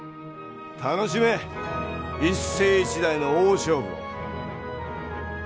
楽しめ一世一代の大勝負を！